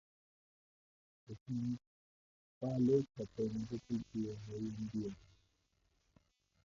Es un palo que apenas se cultiva hoy en día.